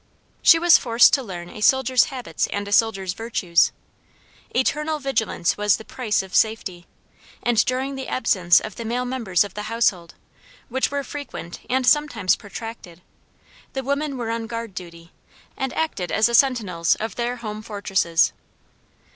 She was forced to learn a soldier's habits and a soldier's virtues. Eternal vigilance was the price of safety, and during the absence of the male members of the household, which were frequent and sometimes protracted, the women were on guard duty, and acted as the sentinels of their home fortresses.